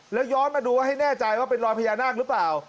แล้วย้อนมาดูว่าให้แน่ใจว่าเป็นรอยพญานาคหรือเปล่า